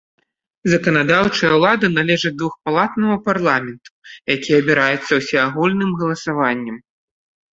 Заканадаўчая ўлада належыць двухпалатнаму парламенту, які абіраецца ўсеагульным галасаваннем.